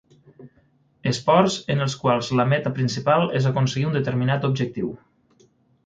Esports en els quals la meta principal és aconseguir un determinat objectiu.